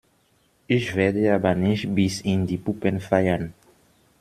Ich werde aber nicht bis in die Puppen feiern.